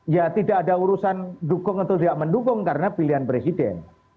ya tidak ada urusan dukung atau tidak mendukung karena pilihan presiden